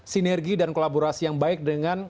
sinergi dan kolaborasi yang baik dengan